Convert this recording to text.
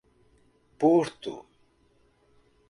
Porto